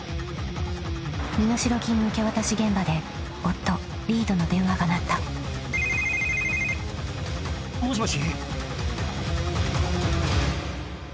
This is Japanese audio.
［身代金受け渡し現場で夫リードの電話が鳴った］もしもし？